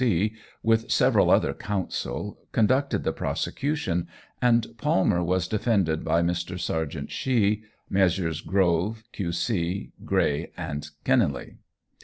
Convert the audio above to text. C., with several other counsel, conducted the prosecution, and Palmer was defended by Mr. Serjeant Shee, Messrs. Grove, Q.C., Gray, and Kenealy.